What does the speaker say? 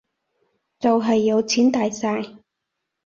就係有錢大晒